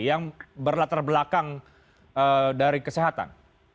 yang berlatar belakang dari kesehatan